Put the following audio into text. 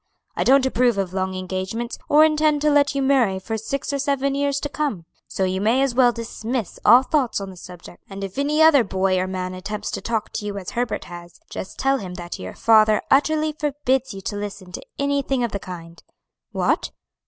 I don't approve of long engagements, or intend to let you marry for six or seven years to come. So you may as well dismiss all thoughts on the subject; and if any other boy or man attempts to talk to you as Herbert has, just tell him that your father utterly forbids you to listen to anything of the kind. What!